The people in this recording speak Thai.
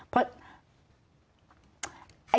เพราะ